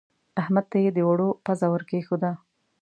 احمد ته يې د اوړو پزه ور کېښوده.